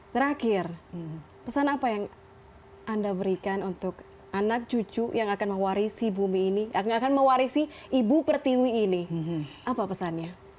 terakhir pesan apa yang anda berikan untuk anak cucu yang akan mewarisi bumi ini akan mewarisi ibu pertiwi ini apa pesannya